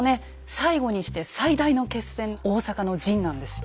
最後にして最大の決戦大坂の陣なんですよ。